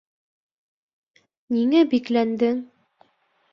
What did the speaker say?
Ниңә бикләндең?